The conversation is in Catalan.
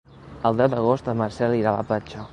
El deu d'agost en Marcel irà a la platja.